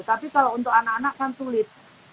tapi kalau untuk anak anak kan sulit